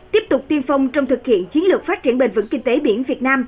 tiếp tục tiên phong trong thực hiện chiến lược phát triển bền vững kinh tế biển việt nam